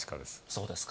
そうですか。